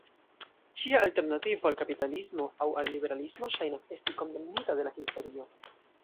Ĉia alternativo al kapitalismo aŭ al liberalismo ŝajnas esti kondamnita de la historio.